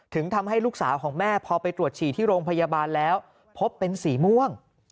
ทำให้ลูกสาวของแม่พอไปตรวจฉี่ที่โรงพยาบาลแล้วพบเป็นสีม่วง